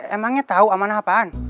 emangnya tahu amanah apaan